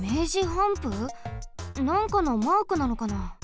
なんかのマークなのかな？